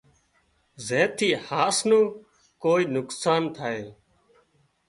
زين ٿي هاس مان ڪوئي نُون نقصان ٿائي